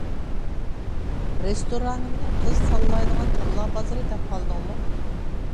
رېستورانىمنى قىز تاللايدىغان تاللا بازىرى دەپ قالدىڭمۇ؟